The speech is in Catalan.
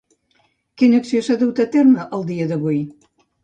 Quina acció s'ha dut a terme, el dia d'avui?